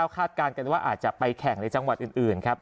คาดการณ์กันว่าอาจจะไปแข่งในจังหวัดอื่นครับ